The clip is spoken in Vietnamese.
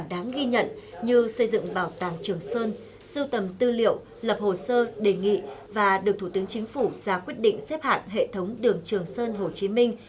đáng ghi nhận như xây dựng bảo tàng trường sơn sưu tầm tư liệu lập hồ sơ đề nghị và được thủ tướng chính phủ ra quyết định xếp hạng hệ thống đường trường sơn hồ chí minh